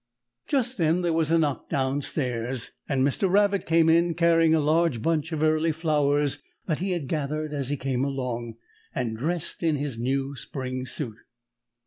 ] Just then there was a knock down stairs, and Mr. Rabbit came in carrying a large bunch of early flowers that he had gathered as he came along, and dressed in his new spring suit.